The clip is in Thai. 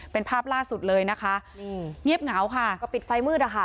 เป็นภาพล่าสุดเลยนะคะนี่เงียบเหงาค่ะก็ปิดไฟมืดอะค่ะ